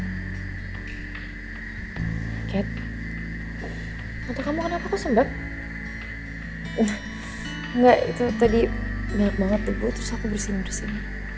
cat untuk kamu kenapa kau sembar enggak itu tadi banyak banget tebu terus aku bersih bersih